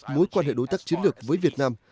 mối quan hệ đối tác chiến lược với việt nam